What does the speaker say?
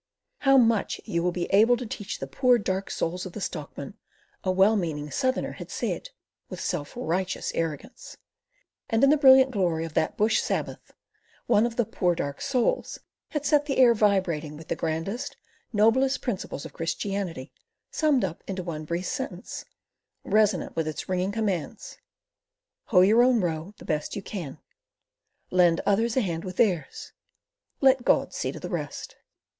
"How much you will be able to teach the poor, dark souls of the stockmen," a well meaning Southerner had said, with self righteous arrogance; and in the brilliant glory of that bush Sabbath, one of the "poor, dark souls" had set the air vibrating with the grandest, noblest principles of Christianity summed up into one brief sentence resonant with its ringing commands: Hoe your own row the best you can. Lend others a hand with theirs. Let God see to the rest.